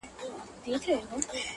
لكه ملا,